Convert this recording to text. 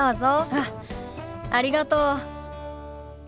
あっありがとう。